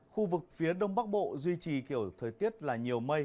khu vực phía đông bắc bộ duy trì kiểu thời tiết là nhiều mây